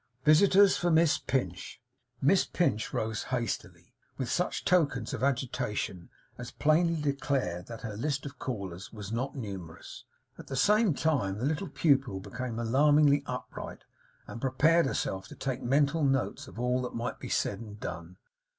'Visitors for Miss Pinch!' Miss Pinch rose hastily; with such tokens of agitation as plainly declared that her list of callers was not numerous. At the same time, the little pupil became alarmingly upright, and prepared herself to take mental notes of all that might be said and done.